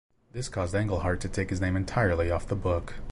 This caused Englehart to take his name entirely off the book.